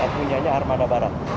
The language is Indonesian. punya nya armada barat